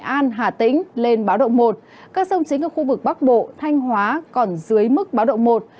nghệ an hà tĩnh lên báo động một các sông chính ở khu vực bắc bộ thanh hóa còn dưới mức báo động một